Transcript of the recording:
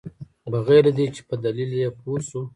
بغیر له دې چې په دلیل یې پوه شوو.